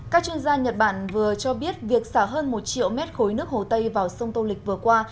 các chuyên gia nhật bản vừa cho biết việc xả hơn một triệu mét khối nước hồ tây vào sông tô lịch vừa qua